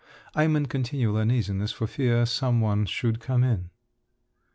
I am in continual uneasiness for fear some one should come in…."